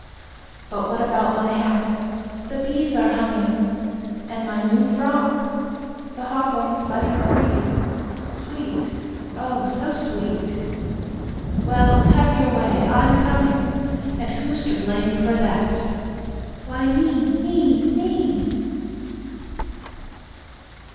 But what about my hat? (The bees are humming.) And my new frock? (The hawthorn's budding free! Sweet! Oh, so sweet!) Well, have your way. I'm coming! And who's to blame for that? (Why, me!